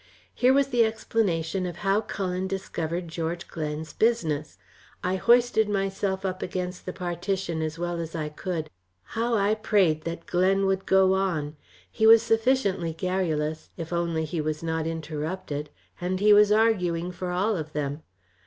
Here was the explanation of how Cullen discovered George Glen's business. I hoisted myself up against the partition as well as I could. How I prayed that Glen would go on! He was sufficiently garrulous, if only he was not interrupted, and he was arguing for all of them.